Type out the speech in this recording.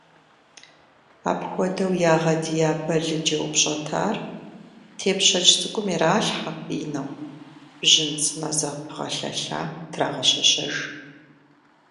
Апхуэдэу ягъэдия балыджэ упщӏэтар тепщэч цӏыкӏум иралъхьэ пӏинэу, бжьын цӏынэ зэпыгъэлъэлъа трагъэщэщэж.